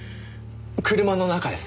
車の中です。